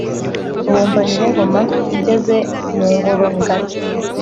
bumva nyiringoma ngeze mu ngorongari